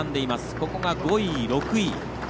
ここが５位、６位。